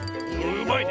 うまいね。